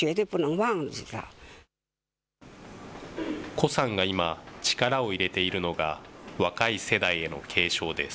胡さんが今、力を入れているのが若い世代への継承です。